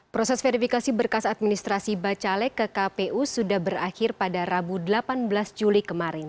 proses verifikasi berkas administrasi bacalek ke kpu sudah berakhir pada rabu delapan belas juli kemarin